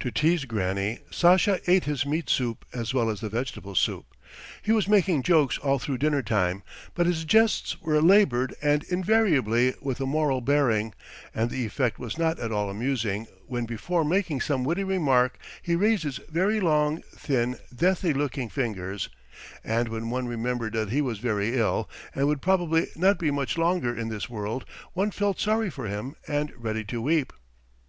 To tease Granny Sasha ate his meat soup as well as the vegetable soup. He was making jokes all through dinner time, but his jests were laboured and invariably with a moral bearing, and the effect was not at all amusing when before making some witty remark he raised his very long, thin, deathly looking fingers; and when one remembered that he was very ill and would probably not be much longer in this world, one felt sorry for him and ready to weep.